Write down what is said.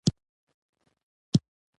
څو ځله يې پر سترګو لاغلې خوله پاکه کړه.